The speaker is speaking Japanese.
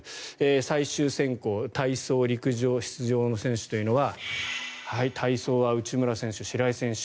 最終選考体操、陸上の出場選手というのは体操は内村選手、白井選手。